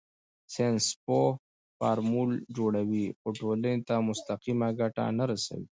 ساینسپوه فورمول جوړوي خو ټولنې ته مستقیمه ګټه نه رسوي.